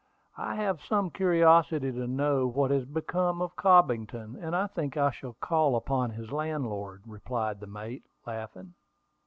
"I have some curiosity to know what has become of Cobbington; and I think I shall call upon his landlord," replied the mate, laughing.